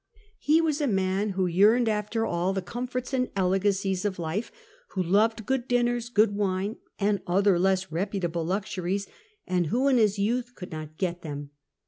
He was a man who yearned after all the comforts and 120 SULLA elegancies of life, wlio loved good dinners, good wine, and other less reputable Insrnries, and who in his youth could not get them.